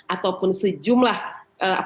ataupun sejumlah apa sih